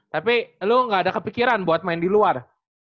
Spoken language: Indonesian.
tapi lo gak ada kepikiran buat main di luar